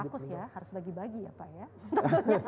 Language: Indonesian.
jangan rakus ya harus bagi bagi ya pak ya